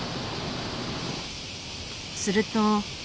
すると。